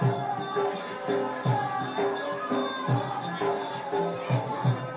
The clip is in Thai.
การทีลงเพลงสะดวกเพื่อความชุมภูมิของชาวไทย